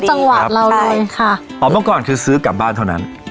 จังหวะเราเลยค่ะอ๋อเมื่อก่อนคือซื้อกลับบ้านเท่านั้น